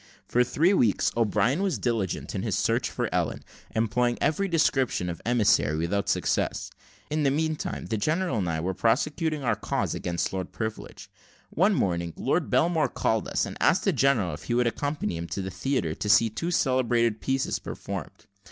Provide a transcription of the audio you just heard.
For three weeks, O'Brien was diligent in his search for Ellen, employing every description of emissary without success. In the meanwhile, the general and I were prosecuting our cause against Lord Privilege. One morning, Lord Belmore called upon us, and asked the general if we would accompany him to the theatre, to see two celebrated pieces performed.